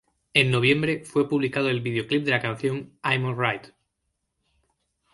En noviembre fue publicado el vídeoclip de la canción "I'm Alright".